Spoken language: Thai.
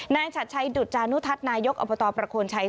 นายชัดชัยดุจานุทัศนายกอัพทธาประโขลชัย